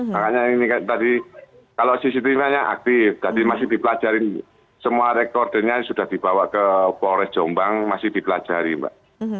makanya ini tadi kalau cctv nya aktif jadi masih dipelajarin semua rekordernya sudah dibawa ke polres jombang masih dipelajari mbak